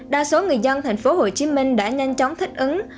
đa số người dân tp hcm đã nhanh chóng thích ứng